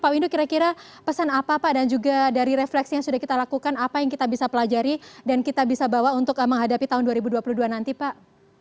pak windu kira kira pesan apa pak dan juga dari refleksi yang sudah kita lakukan apa yang kita bisa pelajari dan kita bisa bawa untuk menghadapi tahun dua ribu dua puluh dua nanti pak